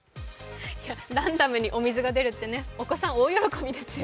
ランダムにお水が出るっってお子さん、大喜びですね。